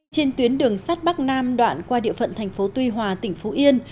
trên tuyến đường sắt bắc nam đoạn qua địa phận thành phố tuy hòa tỉnh phú yên